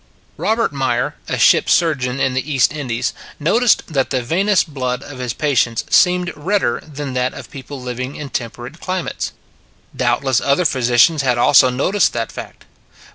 Robert Meyer, a ship s surgeon in the East Indies, noticed that the venous blood of his pa tients seemed redder than that of people living in temperate climates. Doubtless other physicians had also noticed that fact.